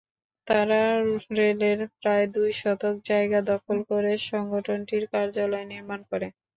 তারা রেলের প্রায় দুই শতক জায়গা দখল করে সংগঠনটির কার্যালয় নির্মাণ করে।